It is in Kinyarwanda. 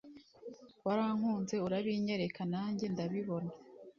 warankunze urabinyereka nanjye ndabibona